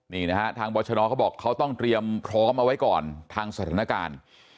นี่นะฮะทางบรชนเขาบอกเขาต้องเตรียมพร้อมเอาไว้ก่อนทางสถานการณ์